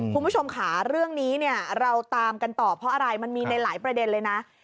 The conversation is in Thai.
คุณผู้ชมค่ะเรื่องนี้เนี่ยเราตามกันต่อเพราะอะไรมันมีในหลายประเด็นเลยนะ